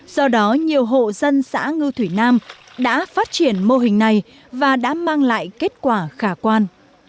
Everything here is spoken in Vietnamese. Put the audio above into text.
do đó nhiều hộ dân xã ngư thủy nam đã phát triển mô hình này và đã mang lại kết quả khả quan